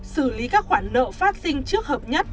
xử lý các khoản nợ phát sinh trước hợp nhất